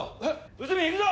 内海行くぞ！